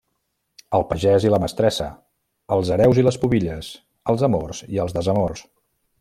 El pagès i la mestressa, els hereus i les pubilles, els amors i els desamors.